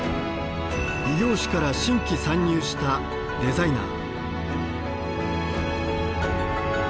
異業種から新規参入したデザイナー。